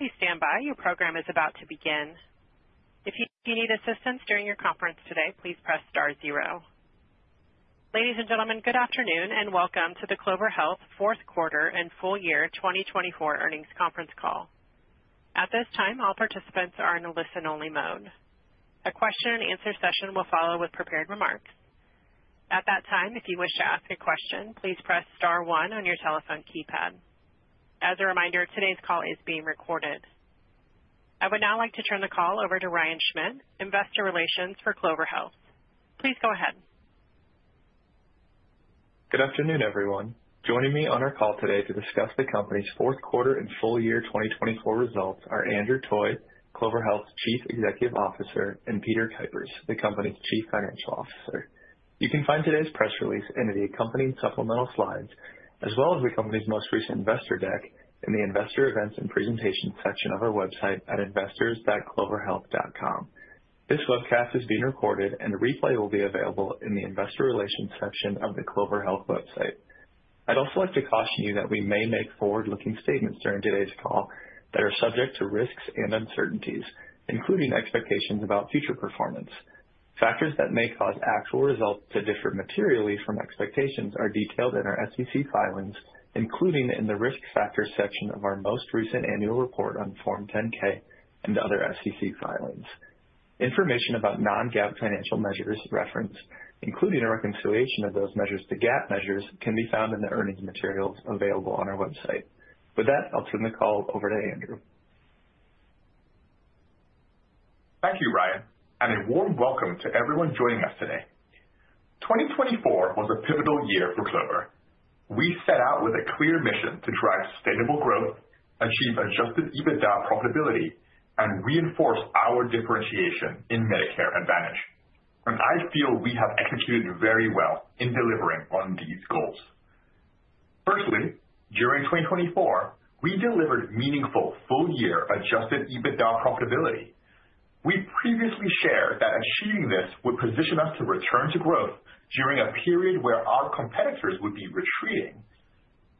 Please stand by. Your program is about to begin. If you need assistance during your conference today, please press star zero. Ladies and gentlemen, good afternoon and welcome to the Clover Health Fourth Quarter and Full Year 2024 Earnings Conference Call. At this time, all participants are in a listen-only mode. A question-and-answer session will follow with prepared remarks. At that time, if you wish to ask a question, please press star one on your telephone keypad. As a reminder, today's call is being recorded. I would now like to turn the call over to Ryan Schmidt, Investor Relations for Clover Health. Please go ahead. Good afternoon, everyone. Joining me on our call today to discuss the company's fourth quarter and full year 2024 results are Andrew Toy, Clover Health's Chief Executive Officer, and Peter Kuipers, the company's Chief Financial Officer. You can find today's press release and the accompanying supplemental slides, as well as the company's most recent investor deck, in the Investor Events and Presentations section of our website at investors.cloverhealth.com. This webcast is being recorded, and the replay will be available in the Investor Relations section of the Clover Health website. I'd also like to caution you that we may make forward-looking statements during today's call that are subject to risks and uncertainties, including expectations about future performance. Factors that may cause actual results to differ materially from expectations are detailed in our SEC filings, including in the risk factors section of our most recent annual report on Form 10-K and other SEC filings. Information about non-GAAP financial measures referenced, including a reconciliation of those measures to GAAP measures, can be found in the earnings materials available on our website. With that, I'll turn the call over to Andrew. Thank you, Ryan, and a warm welcome to everyone joining us today. 2024 was a pivotal year for Clover. We set out with a clear mission to drive sustainable growth, achieve adjusted EBITDA profitability, and reinforce our differentiation in Medicare Advantage. I feel we have executed very well in delivering on these goals. Firstly, during 2024, we delivered meaningful full-year adjusted EBITDA profitability. We previously shared that achieving this would position us to return to growth during a period where our competitors would be retreating.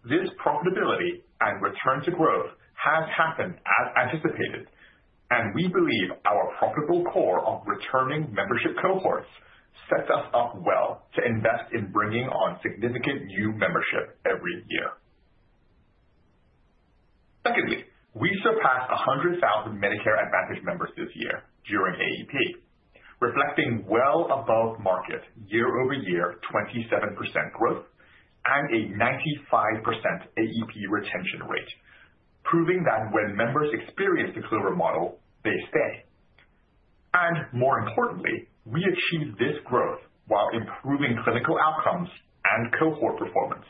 This profitability and return to growth has happened as anticipated, and we believe our profitable core of returning membership cohorts set us up well to invest in bringing on significant new membership every year. Secondly, we surpassed 100,000 Medicare Advantage members this year during AEP, reflecting well above-market year-over-year 27% growth and a 95% AEP retention rate, proving that when members experience the Clover model, they stay. More importantly, we achieved this growth while improving clinical outcomes and cohort performance,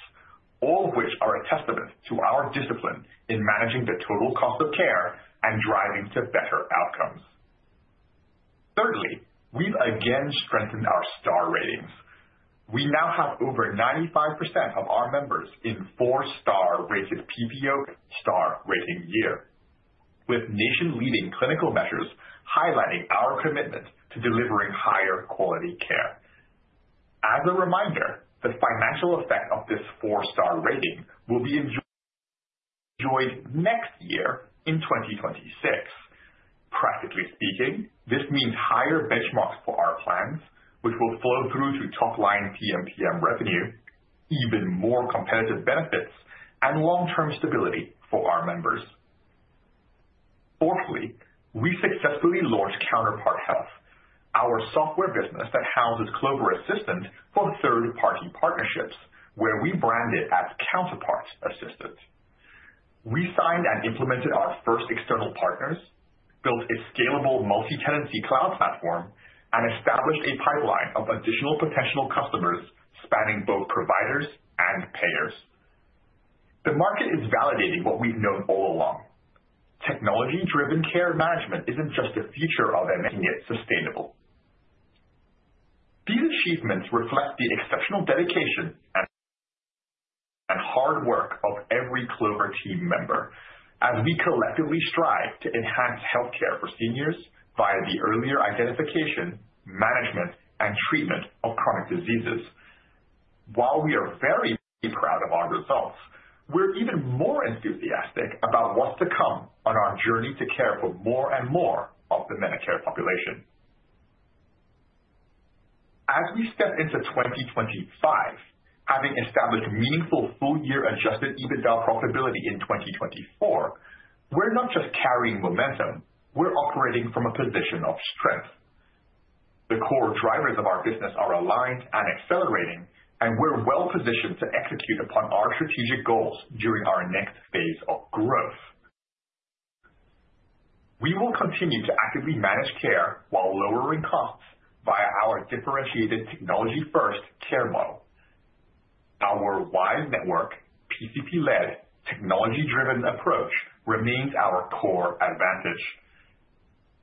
all of which are a testament to our discipline in managing the total cost of care and driving to better outcomes. Thirdly, we've again strengthened our Star Ratings. We now have over 95% of our members in four-star rated PPO Star Rating year, with nation-leading clinical measures highlighting our commitment to delivering higher quality care. As a reminder, the financial effect of this four-star rating will be enjoyed next year in 2026. Practically speaking, this means higher benchmarks for our plans, which will flow through to top-line PMPM revenue, even more competitive benefits, and long-term stability for our members. Fourthly, we successfully launched Counterpart Health, our software business that houses Clover Assistant for third-party partnerships, where we brand it as Counterpart Assistant. We signed and implemented our first external partners, built a scalable multi-tenancy cloud platform, and established a pipeline of additional potential customers spanning both providers and payers. The market is validating what we've known all along. Technology-driven care management is not just the future of [MA; it is] sustainable. These achievements reflect the exceptional dedication and hard work of every Clover team member as we collectively strive to enhance healthcare for seniors via the earlier identification, management, and treatment of chronic diseases. While we are very proud of our results, we're even more enthusiastic about what is to come on our journey to care for more and more of the Medicare population. As we step into 2025, having established meaningful full-year adjusted EBITDA profitability in 2024, we're not just carrying momentum; we're operating from a position of strength. The core drivers of our business are aligned and accelerating, and we're well-positioned to execute upon our strategic goals during our next phase of growth. We will continue to actively manage care while lowering costs via our differentiated technology-first care model. Our wide network, PCP-led, technology-driven approach remains our core advantage.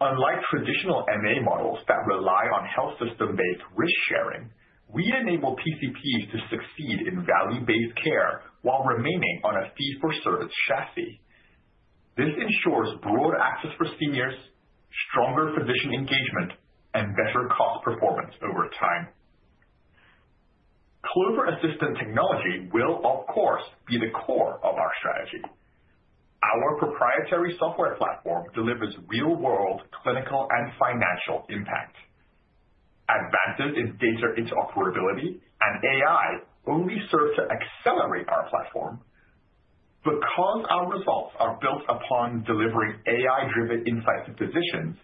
Unlike traditional MA models that rely on health system-based risk sharing, we enable PCPs to succeed in value-based care while remaining on a fee-for-service chassis. This ensures broad access for seniors, stronger physician engagement, and better cost performance over time. Clover Assistant technology will, of course, be the core of our strategy. Our proprietary software platform delivers real-world clinical and financial impact. Advances in data interoperability and AI only serve to accelerate our platform. Because our results are built upon delivering AI-driven insights to physicians,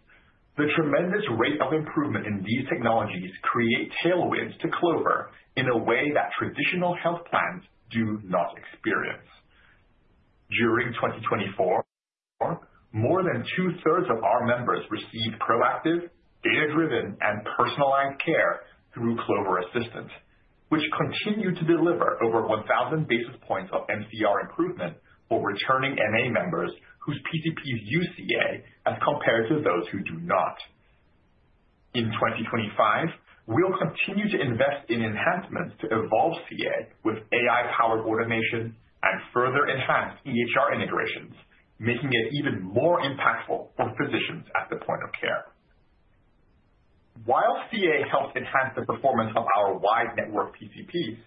the tremendous rate of improvement in these technologies creates tailwinds to Clover in a way that traditional health plans do not experience. During 2024, more than two-thirds of our members received proactive, data-driven, and personalized care through Clover Assistant, which continued to deliver over 1,000 basis points of MCR improvement for returning MA members whose PCPs use CA as compared to those who do not. In 2025, we will continue to invest in enhancements to evolve CA with AI-powered automation and further enhanced EHR integrations, making it even more impactful for physicians at the point of care. While CA helps enhance the performance of our wide network PCPs,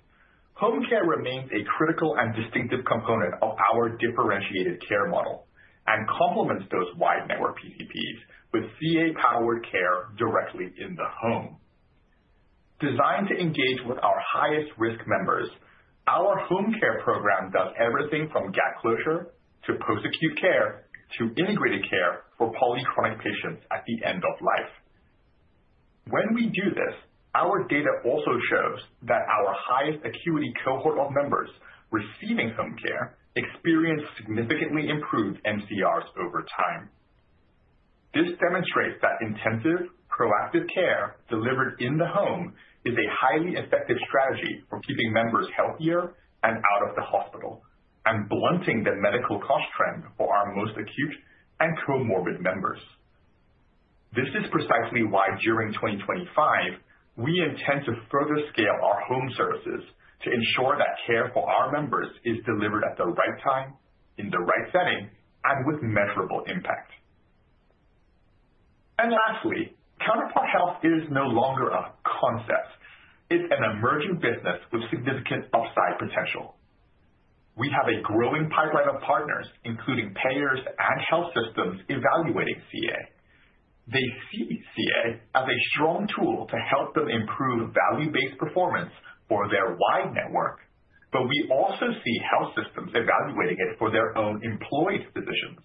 Home Care remains a critical and distinctive component of our differentiated care model and complements those wide network PCPs with CA-powered care directly in the home. Designed to engage with our highest-risk members, our Home Care program does everything from gap closure to post-acute care to integrated care for polychronic patients at the end of life. When we do this, our data also shows that our highest acuity cohort of members receiving Home Care experience significantly improved MCRs over time. This demonstrates that intensive, proactive care delivered in the home is a highly effective strategy for keeping members healthier and out of the hospital and blunting the medical cost trend for our most acute and comorbid members. This is precisely why during 2025, we intend to further scale our home services to ensure that care for our members is delivered at the right time, in the right setting, and with measurable impact. Lastly, Counterpart Health is no longer a concept. It is an emerging business with significant upside potential. We have a growing pipeline of partners, including payers and health systems, evaluating CA. They see CA as a strong tool to help them improve value-based performance for their wide network, but we also see health systems evaluating it for their own employees' physicians.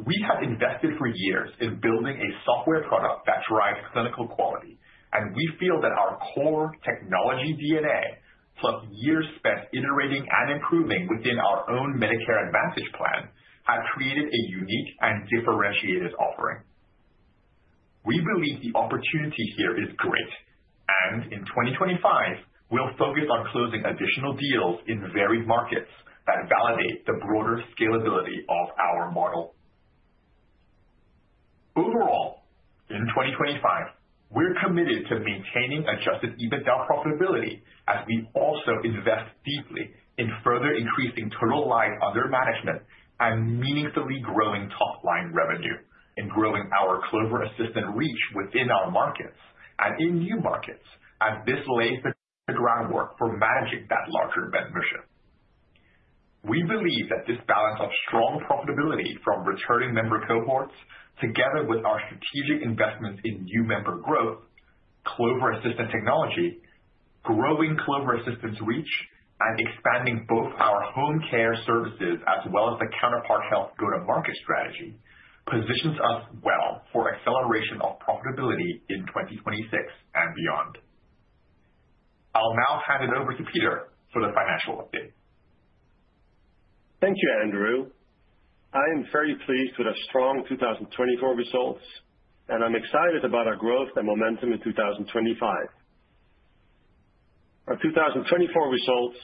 We have invested for years in building a software product that drives clinical quality, and we feel that our core technology DNA, plus years spent iterating and improving within our own Medicare Advantage plan, have created a unique and differentiated offering. We believe the opportunity here is great, and in 2025, we'll focus on closing additional deals in varied markets that validate the broader scalability of our model. Overall, in 2025, we're committed to maintaining adjusted EBITDA profitability as we also invest deeply in further increasing total line under management and meaningfully growing top-line revenue, in growing our Clover Assistant reach within our markets and in new markets as this lays the groundwork for managing that larger membership. We believe that this balance of strong profitability from returning member cohorts, together with our strategic investments in new member growth, Clover Assistant technology, growing Clover Assistant's reach, and expanding both our Home Care services as well as the Counterpart Health go-to-market strategy, positions us well for acceleration of profitability in 2026 and beyond. I'll now hand it over to Peter for the financial update. Thank you, Andrew. I am very pleased with our strong 2024 results, and I'm excited about our growth and momentum in 2025. Our 2024 results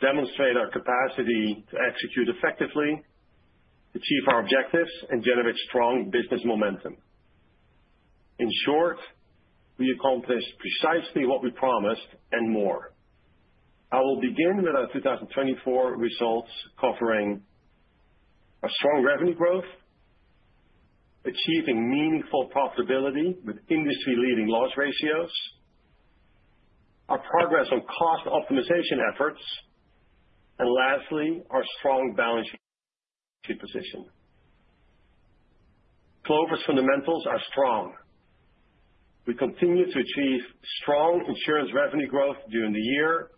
demonstrate our capacity to execute effectively, achieve our objectives, and generate strong business momentum. In short, we accomplished precisely what we promised and more. I will begin with our 2024 results covering our strong revenue growth, achieving meaningful profitability with industry-leading loss ratios, our progress on cost optimization efforts, and lastly, our strong balance sheet position. Clover's fundamentals are strong. We continue to achieve strong insurance revenue growth during the year,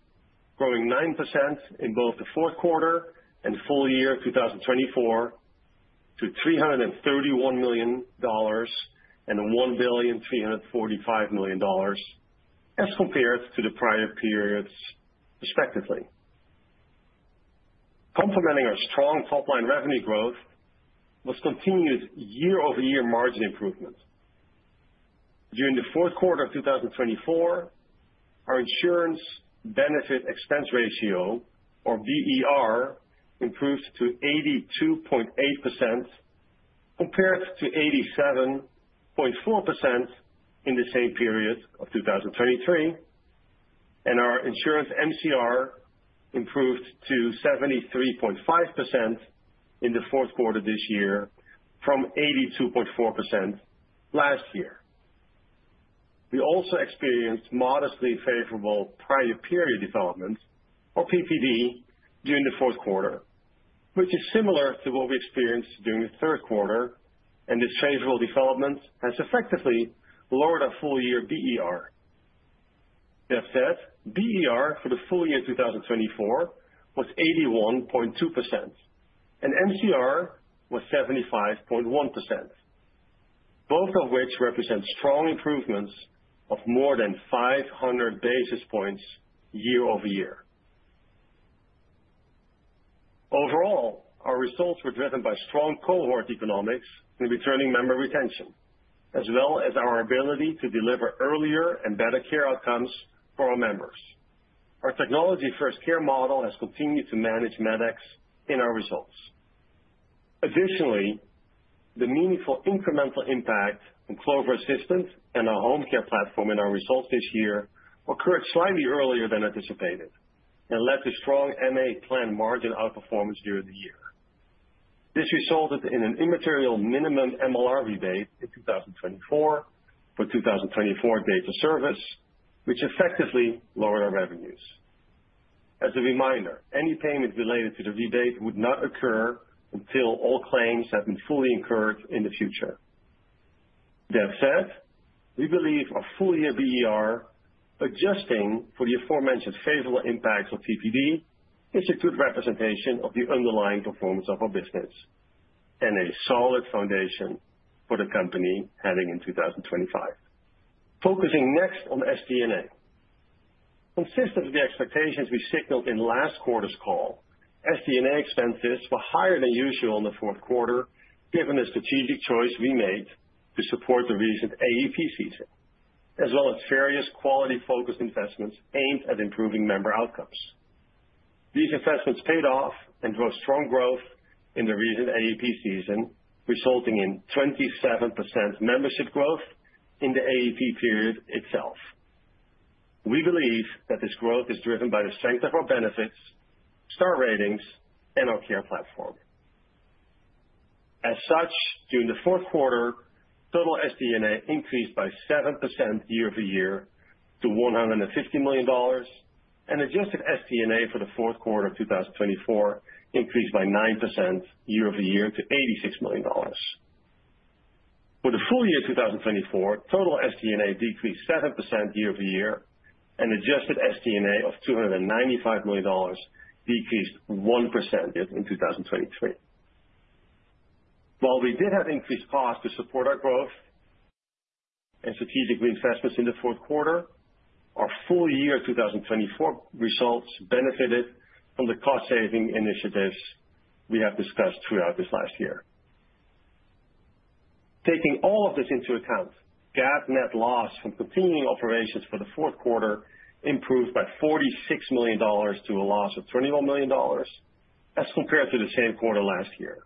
growing 9% in both the fourth quarter and full year 2024 to $331 million and $1.345 billion as compared to the prior periods respectively. Complementing our strong top-line revenue growth was continued year-over-year margin improvement. During the fourth quarter of 2024, our insurance benefit expense ratio, or BER, improved to 82.8% compared to 87.4% in the same period of 2023, and our insurance MCR improved to 73.5% in the fourth quarter this year from 82.4% last year. We also experienced modestly favorable prior period development, or PPD, during the fourth quarter, which is similar to what we experienced during the third quarter, and this favorable development has effectively lowered our full-year BER. That said, BER for the full year 2024 was 81.2%, and MCR was 75.1%, both of which represent strong improvements of more than 500 basis points year-over-year. Overall, our results were driven by strong cohort economics and returning member retention, as well as our ability to deliver earlier and better care outcomes for our members. Our technology-first care model has continued to manage medics in our results. Additionally, the meaningful incremental impact on Clover Assistant and our Home Care platform in our results this year occurred slightly earlier than anticipated and led to strong MA plan margin outperformance during the year. This resulted in an immaterial minimum MLR rebate in 2024 for 2024 data service, which effectively lowered our revenues. As a reminder, any payment related to the rebate would not occur until all claims have been fully incurred in the future. That said, we believe a full-year BER adjusting for the aforementioned favorable impacts of PPD is a good representation of the underlying performance of our business and a solid foundation for the company heading in 2025. Focusing next on SG&A. Consistent with the expectations we signaled in last quarter's call, SG&A expenses were higher than usual in the fourth quarter, given the strategic choice we made to support the recent AEP season, as well as various quality-focused investments aimed at improving member outcomes. These investments paid off and drove strong growth in the recent AEP season, resulting in 27% membership growth in the AEP period itself. We believe that this growth is driven by the strength of our benefits, star ratings, and our care platform. As such, during the fourth quarter, total SG&A increased by 7% year-over-year to $115 million, and adjusted SG&A for the fourth quarter of 2024 increased by 9% year-over-year to $86 million. For the full year 2024, total SG&A decreased 7% year-over-year, and adjusted SG&A of $295 million decreased 1% in 2023. While we did have increased costs to support our growth and strategic reinvestments in the fourth quarter, our full year 2024 results benefited from the cost-saving initiatives we have discussed throughout this last year. Taking all of this into account, GAAP net loss from continuing operations for the fourth quarter improved by $46 million to a loss of $21 million as compared to the same quarter last year.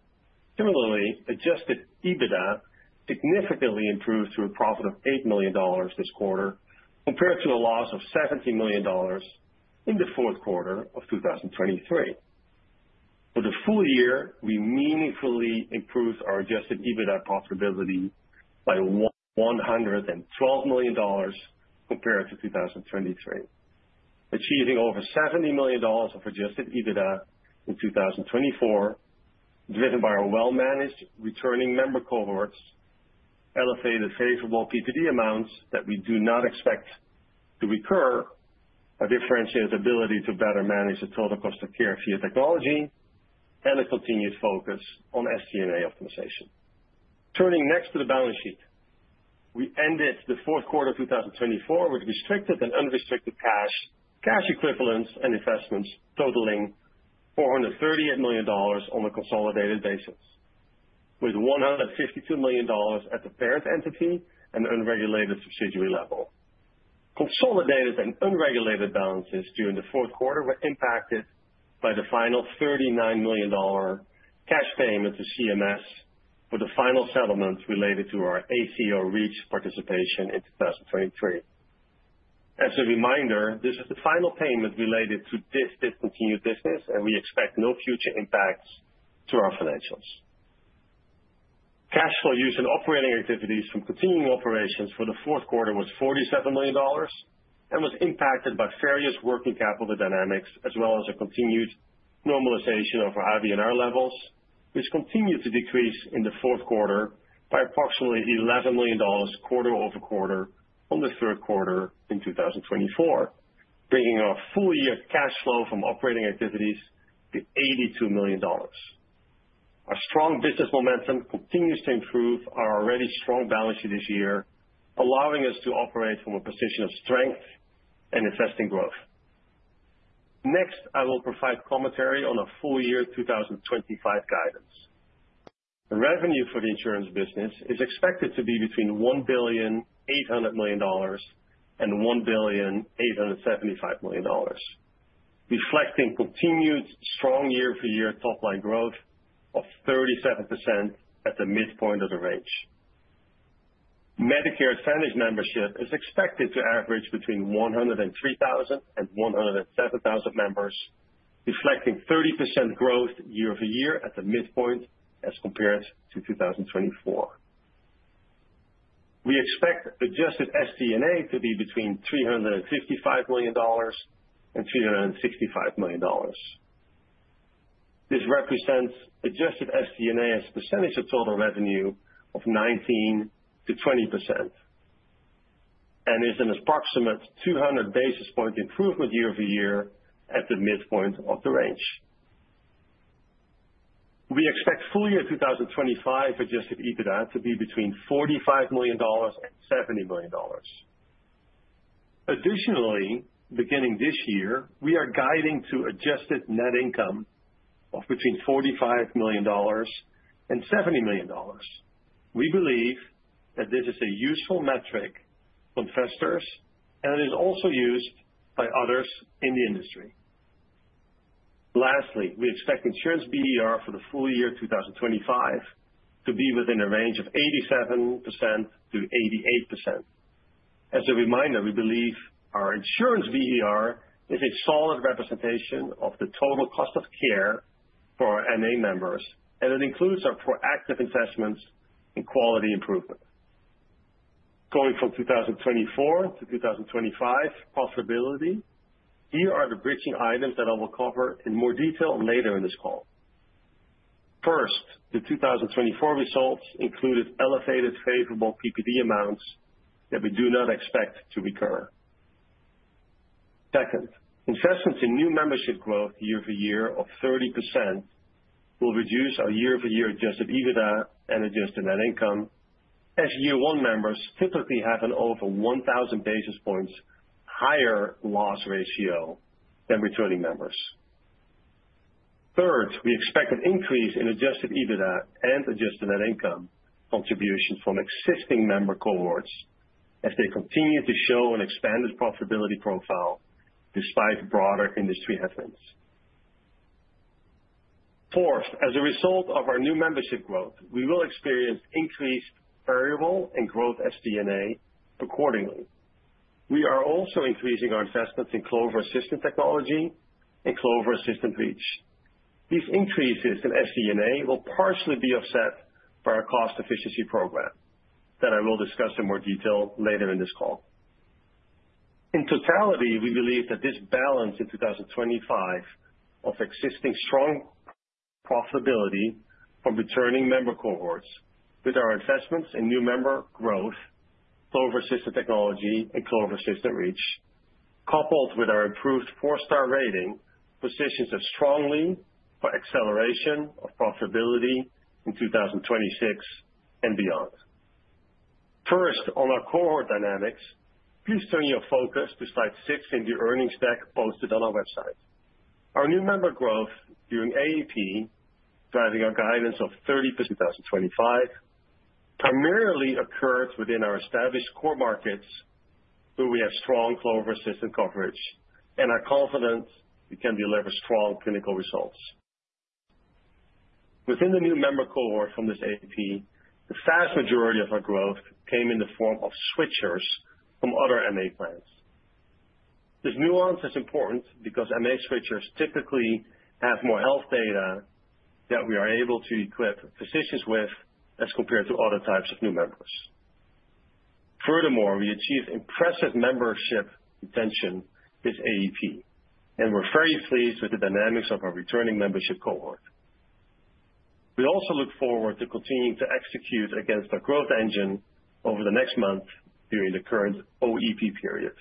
Similarly, adjusted EBITDA significantly improved to a profit of $8 million this quarter compared to a loss of $17 million in the fourth quarter of 2023. For the full year, we meaningfully improved our adjusted EBITDA profitability by $112 million compared to 2023, achieving over $70 million of adjusted EBITDA in 2024, driven by our well-managed returning member cohorts, elevated favorable PPD amounts that we do not expect to recur, a differentiated ability to better manage the total cost of care of CA technology, and a continued focus on SG&A optimization. Turning next to the balance sheet, we ended the fourth quarter of 2024 with restricted and unrestricted cash equivalents and investments totaling $438 million on a consolidated basis, with $152 million at the parent entity and unregulated subsidiary level. Consolidated and unregulated balances during the fourth quarter were impacted by the final $39 million cash payment to CMS for the final settlement related to our ACO REACH participation in 2023. As a reminder, this is the final payment related to this discontinued business, and we expect no future impacts to our financials. Cash flow used in operating activities from continuing operations for the fourth quarter was $47 million and was impacted by various working capital dynamics, as well as a continued normalization of our IBNR levels, which continued to decrease in the fourth quarter by approximately $11 million quarter-over-quarter from the third quarter in 2024, bringing our full-year cash flow from operating activities to $82 million. Our strong business momentum continues to improve our already strong balance sheet this year, allowing us to operate from a position of strength and investing growth. Next, I will provide commentary on our full year 2025 guidance. The revenue for the insurance business is expected to be between $1.8 billion and $1.875 billion, reflecting continued strong year-over-year top-line growth of 37% at the midpoint of the range. Medicare Advantage membership is expected to average between 103,000 and 107,000 members, reflecting 30% growth year-over-year at the midpoint as compared to 2024. We expect adjusted SG&A to be between $355 million and $365 million. This represents adjusted SG&A as a percentage of total revenue of 19%-20% and is an approximate 200 basis point improvement year-over-year at the midpoint of the range. We expect full year 2025 adjusted EBITDA to be between $45 million and $70 million. Additionally, beginning this year, we are guiding to adjusted net income of between $45 million and $70 million. We believe that this is a useful metric for investors, and it is also used by others in the industry. Lastly, we expect insurance BER for the full year 2025 to be within a range of 87%-88%. As a reminder, we believe our insurance BER is a solid representation of the total cost of care for our MA members, and it includes our proactive investments in quality improvement. Going from 2024 to 2025 profitability, here are the bridging items that I will cover in more detail later in this call. First, the 2024 results included elevated favorable PPD amounts that we do not expect to recur. Second, investments in new membership growth year-over-year of 30% will reduce our year-over-year adjusted EBITDA and adjusted net income, as year-one members typically have an over 1,000 basis points higher loss ratio than returning members. Third, we expect an increase in adjusted EBITDA and adjusted net income contributions from existing member cohorts as they continue to show an expanded profitability profile despite broader industry headwinds. Fourth, as a result of our new membership growth, we will experience increased variable and growth SG&A accordingly. We are also increasing our investments in Clover Assistant technology and Clover Assistant reach. These increases in SG&A will partially be offset by our cost efficiency program that I will discuss in more detail later in this call. In totality, we believe that this balance in 2025 of existing strong profitability from returning member cohorts with our investments in new member growth, Clover Assistant technology, and Clover Assistant reach, coupled with our improved four-star rating, positions us strongly for acceleration of profitability in 2026 and beyond. First, on our cohort dynamics, please turn your focus to slide six in the earnings deck posted on our website. Our new member growth during AEP, driving our guidance of 30% in 2025, primarily occurs within our established core markets where we have strong Clover Assistant coverage and are confident we can deliver strong clinical results. Within the new member cohort from this AEP, the vast majority of our growth came in the form of switchers from other MA plans. This nuance is important because MA switchers typically have more health data that we are able to equip physicians with as compared to other types of new members. Furthermore, we achieved impressive membership retention with AEP, and we're very pleased with the dynamics of our returning membership cohort. We also look forward to continuing to execute against our growth engine over the next month during the current OEP period,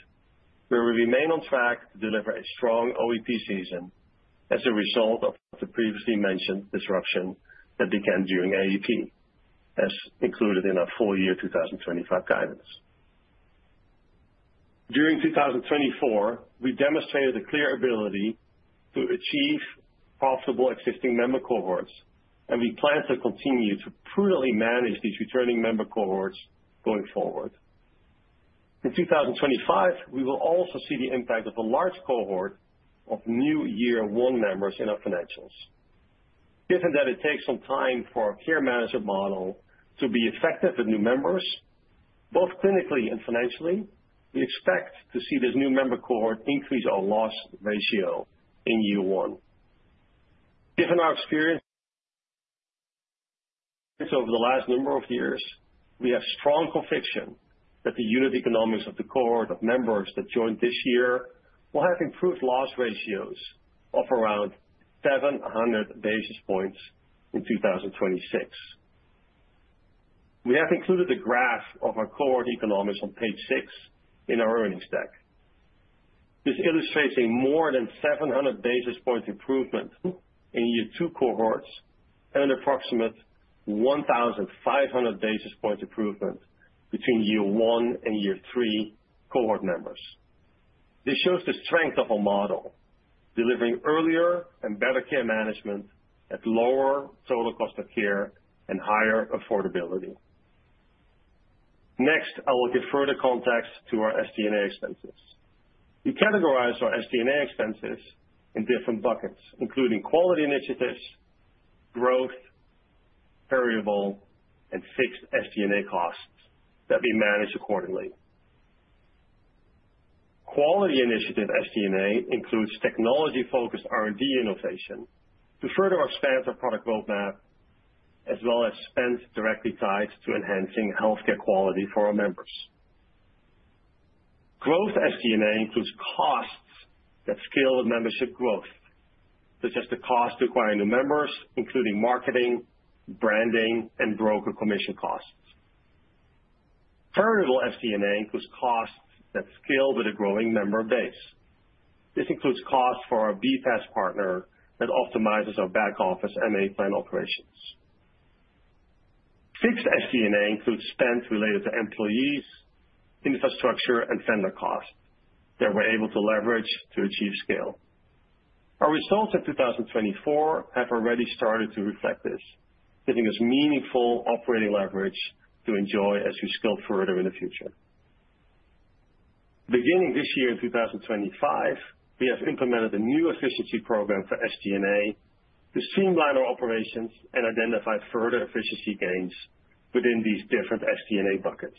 where we remain on track to deliver a strong OEP season as a result of the previously mentioned disruption that began during AEP, as included in our full year 2025 guidance. During 2024, we demonstrated a clear ability to achieve profitable existing member cohorts, and we plan to continue to prudently manage these returning member cohorts going forward. In 2025, we will also see the impact of a large cohort of new year-one members in our financials. Given that it takes some time for our care management model to be effective with new members, both clinically and financially, we expect to see this new member cohort increase our loss ratio in year one. Given our experience over the last number of years, we have strong conviction that the unit economics of the cohort of members that joined this year will have improved loss ratios of around 700 basis points in 2026. We have included the graph of our cohort economics on page six in our earnings deck. This illustrates a more than 700 basis point improvement in year two cohorts and an approximate 1,500 basis point improvement between year one and year three cohort members. This shows the strength of our model, delivering earlier and better care management at lower total cost of care and higher affordability. Next, I will give further context to our SG&A expenses. We categorize our SG&A expenses in different buckets, including quality initiatives, growth, variable, and fixed SG&A costs that we manage accordingly. Quality initiative SG&A includes technology-focused R&D innovation to further expand our product roadmap, as well as spend directly tied to enhancing healthcare quality for our members. Growth SG&A includes costs that scale with membership growth, such as the costs required to acquire new members, including marketing, branding, and broker commission costs. Variable SG&A includes costs that scale with a growing member base. This includes costs for our BPaaS partner that optimizes our back-office MA plan operations. Fixed SG&A includes spend related to employees, infrastructure, and vendor costs that we're able to leverage to achieve scale. Our results in 2024 have already started to reflect this, giving us meaningful operating leverage to enjoy as we scale further in the future. Beginning this year in 2025, we have implemented a new efficiency program for SG&A to streamline our operations and identify further efficiency gains within these different SG&A buckets.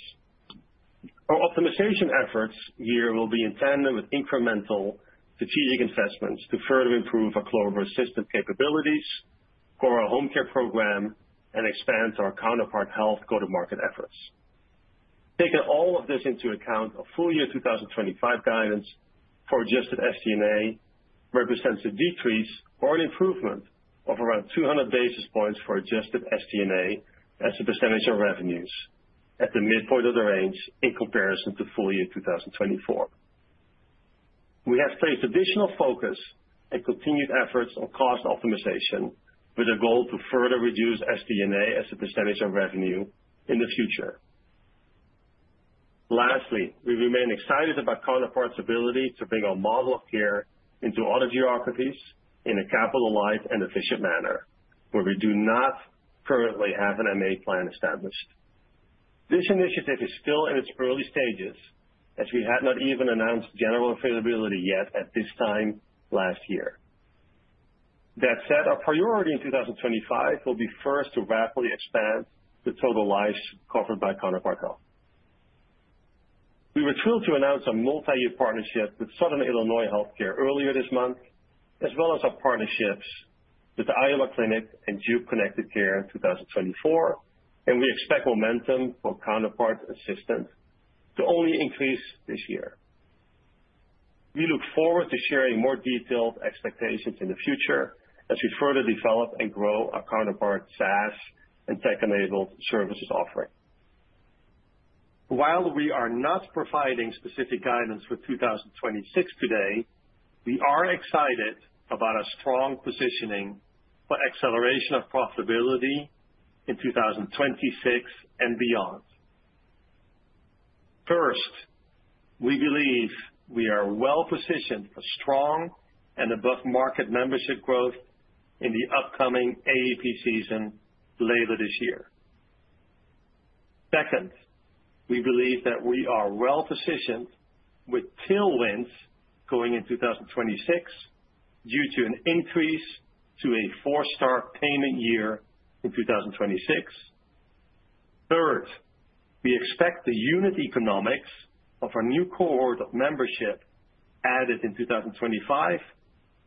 Our optimization efforts here will be in tandem with incremental strategic investments to further improve our Clover Assistant capabilities, grow our Home Care program, and expand our Counterpart Health go-to-market efforts. Taking all of this into account, our full year 2025 guidance for adjusted SG&A represents a decrease or an improvement of around 200 basis points for adjusted SG&A as a percentage of revenues at the midpoint of the range in comparison to full year 2024. We have placed additional focus and continued efforts on cost optimization with a goal to further reduce SG&A as a percentage of revenue in the future. Lastly, we remain excited about Counterpart's ability to bring our model of care into other geographies in a capitalized and efficient manner, where we do not currently have an MA plan established. This initiative is still in its early stages, as we had not even announced general availability yet at this time last year. That said, our priority in 2025 will be first to rapidly expand the total lives covered by Counterpart Health. We were thrilled to announce our multi-year partnership with Southern Illinois Healthcare earlier this month, as well as our partnerships with The Iowa Clinic and Juke Connected Care in 2024, and we expect momentum for Counterpart Assistant to only increase this year. We look forward to sharing more detailed expectations in the future as we further develop and grow our Counterpart SaaS and tech-enabled services offering. While we are not providing specific guidance for 2026 today, we are excited about our strong positioning for acceleration of profitability in 2026 and beyond. First, we believe we are well positioned for strong and above-market membership growth in the upcoming AEP season later this year. Second, we believe that we are well positioned with tailwinds going into 2026 due to an increase to a four-star payment year in 2026. Third, we expect the unit economics of our new cohort of membership added in 2025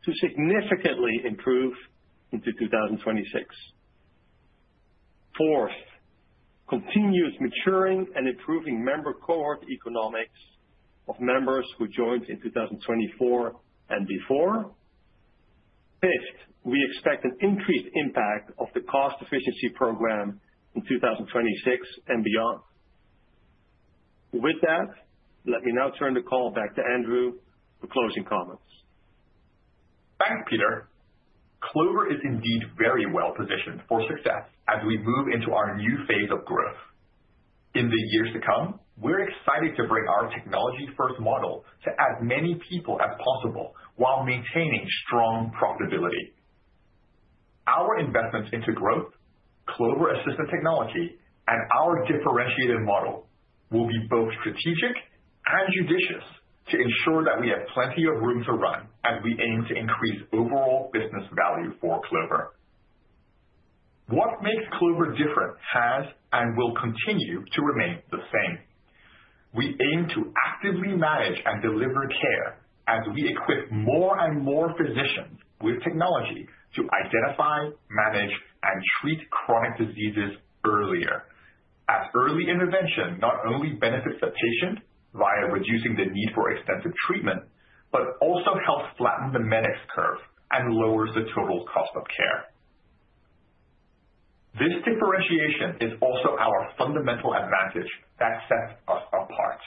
to significantly improve into 2026. Fourth, continuous maturing and improving member cohort economics of members who joined in 2024 and before. Fifth, we expect an increased impact of the cost efficiency program in 2026 and beyond. With that, let me now turn the call back to Andrew for closing comments. Thanks, Peter. Clover is indeed very well positioned for success as we move into our new phase of growth. In the years to come, we're excited to bring our technology-first model to as many people as possible while maintaining strong profitability. Our investments into growth, Clover Assistant technology, and our differentiated model will be both strategic and judicious to ensure that we have plenty of room to run as we aim to increase overall business value for Clover. What makes Clover different has and will continue to remain the same. We aim to actively manage and deliver care as we equip more and more physicians with technology to identify, manage, and treat chronic diseases earlier, as early intervention not only benefits the patient via reducing the need for extensive treatment, but also helps flatten the medics curve and lowers the total cost of care. This differentiation is also our fundamental advantage that sets us apart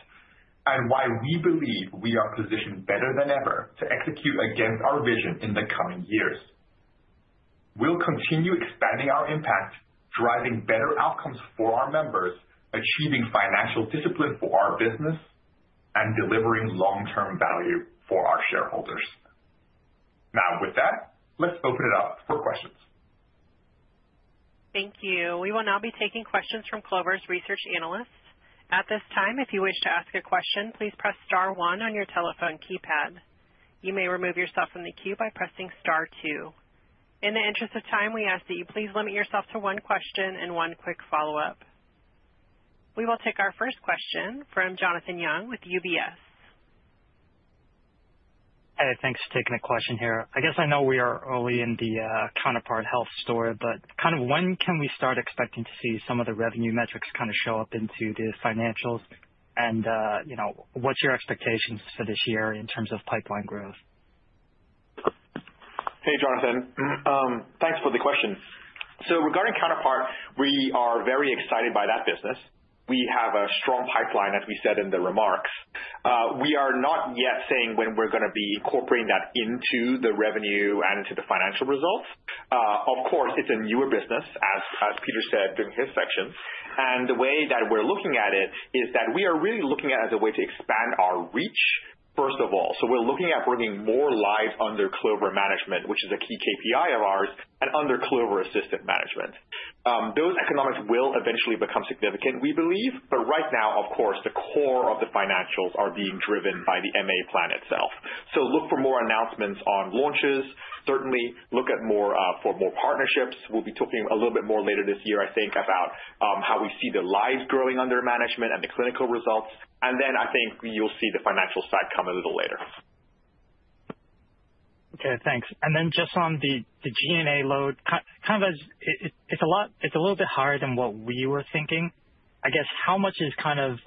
and why we believe we are positioned better than ever to execute against our vision in the coming years. We'll continue expanding our impact, driving better outcomes for our members, achieving financial discipline for our business, and delivering long-term value for our shareholders. Now, with that, let's open it up for questions. Thank you. We will now be taking questions from Clover's research analysts. At this time, if you wish to ask a question, please press star one on your telephone keypad. You may remove yourself from the queue by pressing star two. In the interest of time, we ask that you please limit yourself to one question and one quick follow-up. We will take our first question from Jonathan Young with UBS. Hey, thanks for taking a question here. I guess I know we are early in the Counterpart Health story, but kind of when can we start expecting to see some of the revenue metrics kind of show up into the financials? What's your expectations for this year in terms of pipeline growth? Hey, Jonathan. Thanks for the question. Regarding Counterpart, we are very excited by that business. We have a strong pipeline, as we said in the remarks. We are not yet saying when we're going to be incorporating that into the revenue and into the financial results. Of course, it's a newer business, as Peter said during his section. The way that we're looking at it is that we are really looking at it as a way to expand our reach, first of all. We are looking at bringing more lives under Clover management, which is a key KPI of ours, and under Clover Assistant management. Those economics will eventually become significant, we believe. Right now, of course, the core of the financials are being driven by the MA plan itself. Look for more announcements on launches. Certainly, look for more partnerships. We'll be talking a little bit more later this year, I think, about how we see the lives growing under management and the clinical results. I think you'll see the financial side come a little later. Okay, thanks. Just on the G&A load, kind of it's a little bit higher than what we were thinking. I guess how much is kind of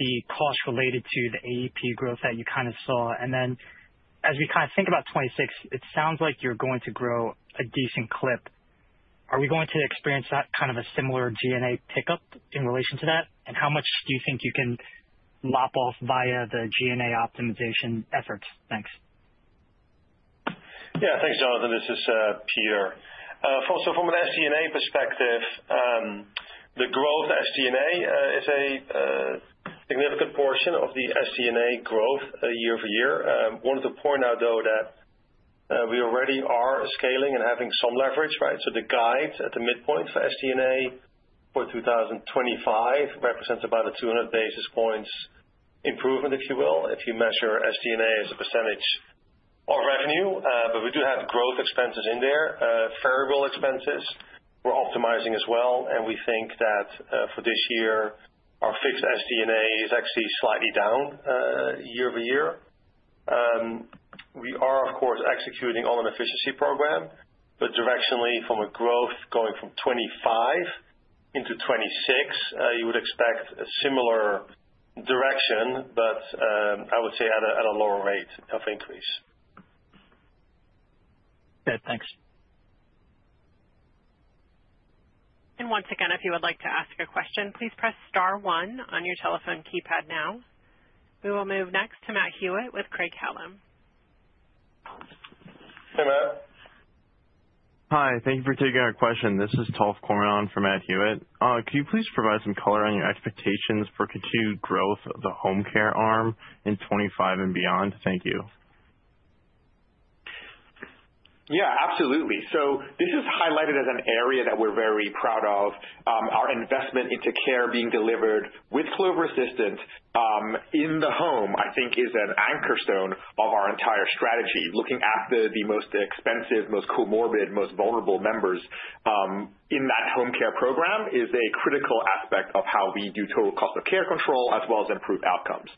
the cost related to the AEP growth that you kind of saw? As we kind of think about 2026, it sounds like you're going to grow a decent clip. Are we going to experience that kind of a similar G&A pickup in relation to that? How much do you think you can lop off via the G&A optimization efforts? Thanks. Yeah, thanks, Jonathan. This is Peter. From an SG&A perspective, the growth SG&A is a significant portion of the SG&A growth year-over-year. I wanted to point out, though, that we already are scaling and having some leverage, right? The guide at the midpoint for SG&A for 2025 represents about a 200 basis points improvement, if you will, if you measure SG&A as a percentage of revenue. We do have growth expenses in there, variable expenses. We're optimizing as well. We think that for this year, our fixed SG&A is actually slightly down year-over-year. We are, of course, executing on an efficiency program, but directionally from a growth going from 2025 into 2026, you would expect a similar direction, but I would say at a lower rate of increase. Okay, thanks. Once again, if you would like to ask a question, please press star one on your telephone keypad now. We will move next to Matt Hewitt with Craig-Hallum. Hey, Matt. Hi, thank you for taking our question. This is Tollef Kohrman for Matt Hewitt. Could you please provide some color on your expectations for continued growth of the Home Care arm in 2025 and beyond? Thank you. Yeah, absolutely. This is highlighted as an area that we're very proud of. Our investment into care being delivered with Clover Assistant in the home, I think, is an anchor stone of our entire strategy. Looking at the most expensive, most comorbid, most vulnerable members in that Home Care program is a critical aspect of how we do total cost of care control, as well as improve outcomes.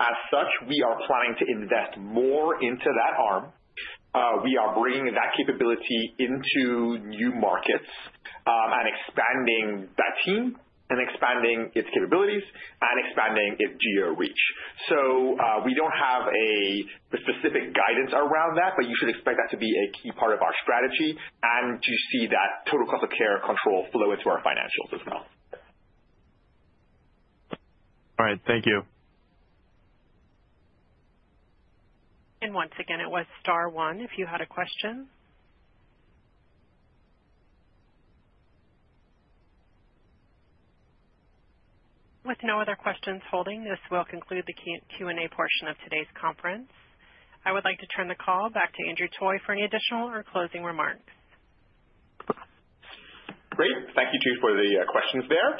As such, we are planning to invest more into that arm. We are bringing that capability into new markets and expanding that team and expanding its capabilities and expanding its geo reach. We do not have a specific guidance around that, but you should expect that to be a key part of our strategy and to see that total cost of care control flow into our financials as well. All right, thank you. Once again, it was star one if you had a question. With no other questions holding, this will conclude the Q&A portion of today's conference. I would like to turn the call back to Andrew Toy for any additional or closing remarks. Great. Thank you, too, for the questions there.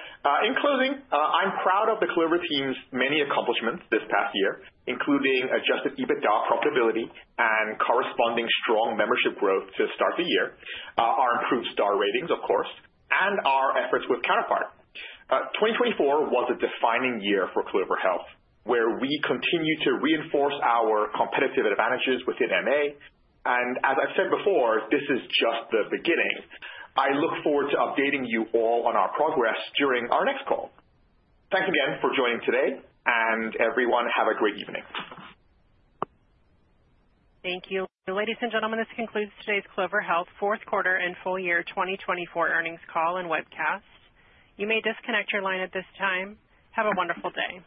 In closing, I'm proud of the Clover team's many accomplishments this past year, including adjusted EBITDA profitability and corresponding strong membership growth to start the year, our improved Star Ratings, of course, and our efforts with Counterpart. 2024 was a defining year for Clover Health, where we continue to reinforce our competitive advantages within MA. As I've said before, this is just the beginning. I look forward to updating you all on our progress during our next call. Thanks again for joining today, and everyone, have a great evening. Thank you. Ladies and gentlemen, this concludes today's Clover Health Fourth Quarter and Full Year 2024 Earnings Call and Webcast. You may disconnect your line at this time. Have a wonderful day.